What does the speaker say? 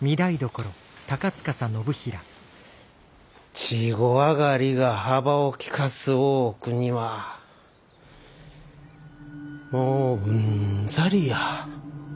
稚児上がりが幅を利かす大奥にはもううんざりや。